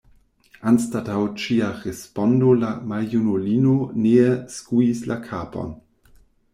Anstataŭ ĉia respondo la maljunulino nee skuis la kapon.